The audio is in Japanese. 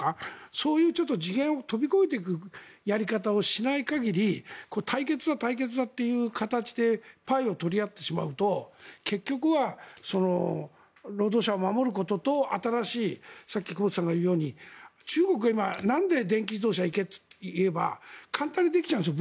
そういう次元を飛び越えていくやり方をしない限り対決だ対決だという形でパイを取り合ってしまうと結局は労働者を守ることと新しいさっき久保田さんが言うように中国は今なんで電気自動車に行っているかといえば簡単にできちゃうんですよ。